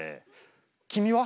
君は？